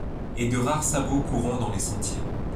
Et de rares sabots courant dans les sentiers